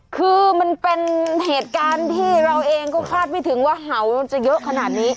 คือมันเป็นเหตุการณ์ที่เราเองก็คาดไม่ถึงว่าเห่าจะเยอะขนาดนี้